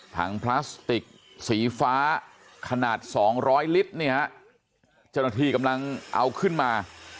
พลาสติกสีฟ้าขนาด๒๐๐ลิตรเนี่ยฮะเจ้าหน้าที่กำลังเอาขึ้นมา